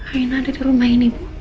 akhirnya ada di rumah ini bu